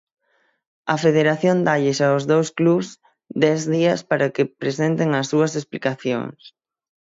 A Federación dálles aos dous clubs dez días para que presenten as súas explicacións.